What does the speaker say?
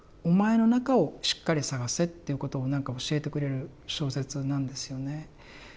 お前の中をしっかり探せっていうことをなんか教えてくれる小説なんですよね。